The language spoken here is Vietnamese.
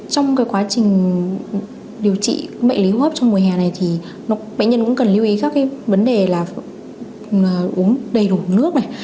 trong quá trình điều trị bệnh lý hô hấp trong mùa hè này thì bệnh nhân cũng cần lưu ý các vấn đề là uống đầy đủ nước này